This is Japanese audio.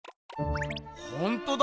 ほんとだ！